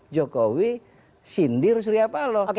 jokowi sindir suryapalo